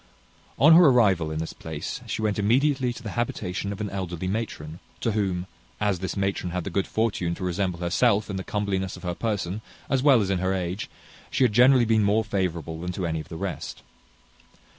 On her arrival in this place, she went immediately to the habitation of an elderly matron; to whom, as this matron had the good fortune to resemble herself in the comeliness of her person, as well as in her age, she had generally been more favourable than to any of the rest.